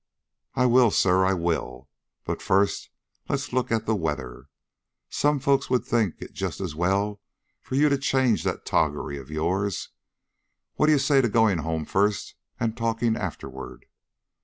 "I will, sir; I will: but first let's look at the weather. Some folks would think it just as well for you to change that toggery of yours. What do you say to going home first, and talking afterward?"